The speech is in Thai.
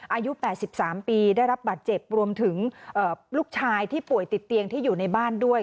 อายุ๘๓ปีได้รับบาดเจ็บรวมถึงลูกชายที่ป่วยติดเตียงที่อยู่ในบ้านด้วย